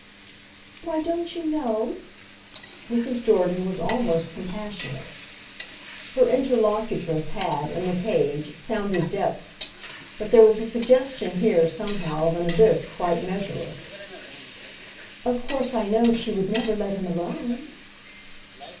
"Why, don't you know?"—Mrs. Jordan was almost compassionate. Her interlocutress had, in the cage, sounded depths, but there was a suggestion here somehow of an abyss quite measureless. "Of course I know she would never let him alone."